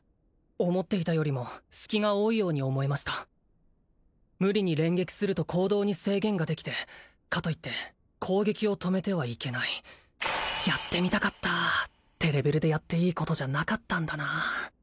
思っていたよりも隙が多いように思えました無理に連撃すると行動に制限ができてかといって攻撃を止めてはいけないやってみたかったってレベルでやっていいことじゃなかったんだな